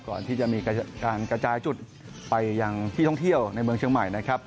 ก่อนที่จะมีการกระจายจุดไปยังที่ท่องเที่ยวในเมืองเชียงใหม่นะครับ